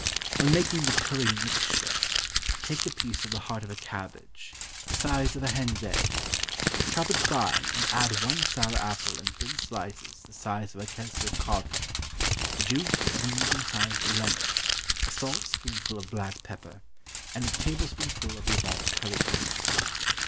When making the curry mixture, take a piece of the heart of a cabbage, the size of a hen's egg; chop it fine and add one sour apple in thin slices the size of a Keswick codlin, the juice of a medium sized lemon, a salt spoonful of black pepper, and a tablespoonful of the above curry powder.